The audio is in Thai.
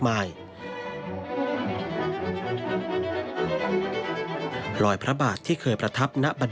ในหลวงทั้งสองพระองค์ทั้งสองพระองค์